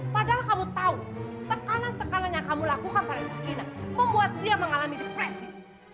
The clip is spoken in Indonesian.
padahal kamu tahu tekanan tekanan yang kamu lakukan palestina membuat dia mengalami depresi